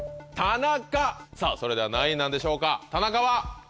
それでは何位なんでしょうか田中は。